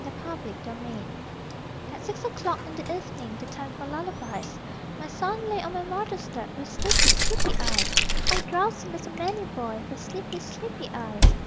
TO A GRANDMOTHER At six o'clock in the evening, The time for lullabies, My son lay on my mother's lap With sleepy, sleepy eyes! (O drowsy little manny boy, _With sleepy, sleepy eyes!